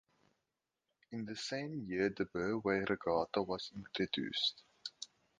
In the same year the Burway Regatta was introduced.